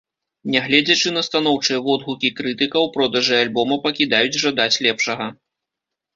Нягледзячы на станоўчыя водгукі крытыкаў, продажы альбома пакідаюць жадаць лепшага.